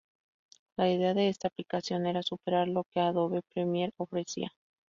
La idea de esta aplicación era superar lo que Adobe Premiere ofrecía.